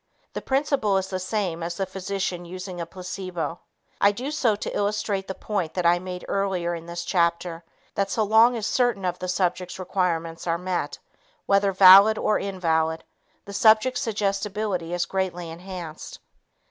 The principle is the same as the physician using a placebo. I do so to illustrate the point that I made earlier in this chapter that so long as certain of the subject's requirements are met, whether valid or invalid, the subject's suggestibility is greatly enhanced.